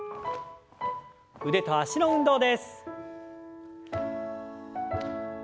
腕と脚の運動です。